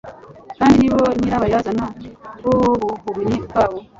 kandi ni bo nyirabayazana b'ubuhumyi bwa bo.